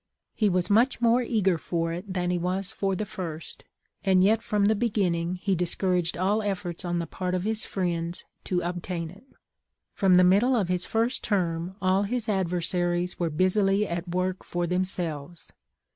He was much more eager for it than he was for the first, and yet from the beginning he discouraged all efforts on the part of his friends to obtain it. From tlie middle of his first term all his adversaries were busily at work for themselves.